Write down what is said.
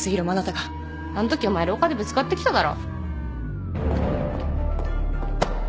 あんときお前廊下でぶつかってきただろ？